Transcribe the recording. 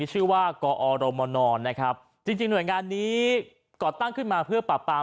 ชื่อว่ากอรมนนะครับจริงจริงหน่วยงานนี้ก่อตั้งขึ้นมาเพื่อปรับปราม